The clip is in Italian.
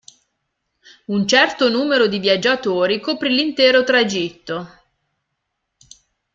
Un certo numero di viaggiatori coprì l'intero tragitto.